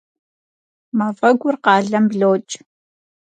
Мафӏэгур къалэм блокӏ.